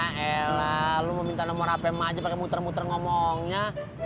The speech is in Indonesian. ya elah lu mau minta nomor hpm aja pake muter muter ngomongnya